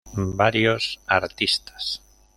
Varios artistas.